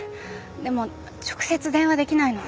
でも直接電話できないの。